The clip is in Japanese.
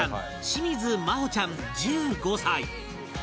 清水麻帆ちゃん１５歳